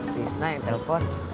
fisna yang telepon